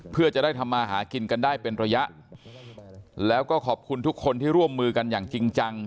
เพื่อจะได้ทำมาหากินกันได้เป็นระยะแล้วก็ขอบคุณทุกคนที่ร่วมมือกันอย่างจริงจัง